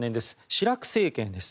シラク政権です。